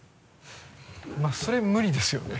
まぁそれ無理ですよね。